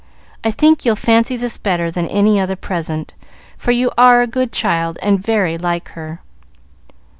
I think you'll fancy this better than any other present, for you are a good child, and very like her."